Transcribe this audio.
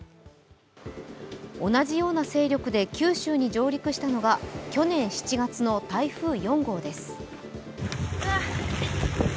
同じような勢力で九州に上陸したのが去年７月の台風４号です。